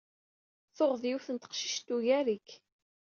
Tuɣeḍ yiwet n teqcict tugar-ik.